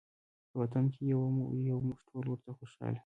په وطن کې یو موږ ټول ورته خوشحاله